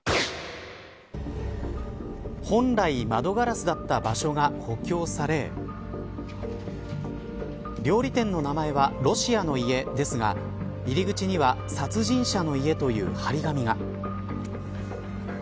本来窓ガラスだった場所が補強され料理店の名前はロシアの家ですが入り口には殺人者の家という張り紙が。